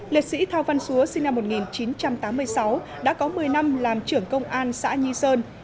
liệt sĩ thao văn xúa sinh năm một nghìn chín trăm tám mươi sáu đã có một mươi năm làm trưởng công an xã nhi sơn